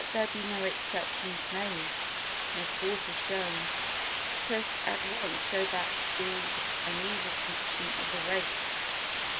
Let there be no exceptions made, no quarter shown; let us at once go back to the primeval condition of the race.